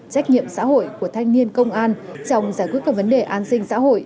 trách nhiệm xã hội của thanh niên công an trong giải quyết các vấn đề an sinh xã hội